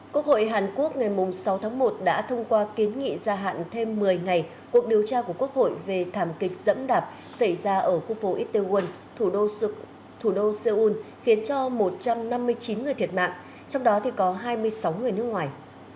quốc hội hàn quốc ngày sáu tháng một đã thông qua kiến nghị gia hạn thêm một mươi ngày cuộc điều tra của quốc hội về thảm kịch dẫm đạp xảy ra ở khu phố itewon thủ đô seoul khiến cho một trăm năm mươi chín người thiệt mạng trong đó có hai mươi sáu người nước ngoài